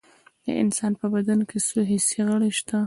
د انسان په بدن کې څو حسي غړي شته